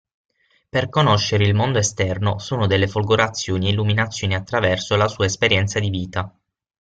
Per conoscere il mondo esterno sono delle folgorazioni e illuminazioni attraverso la sua esperienza di vita.